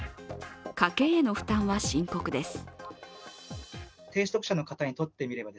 家計への負担は深刻です。